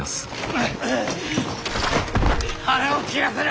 腹を切らせろ！